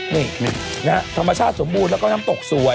นี่นะฮะธรรมชาติสมบูรณ์แล้วก็น้ำตกสวย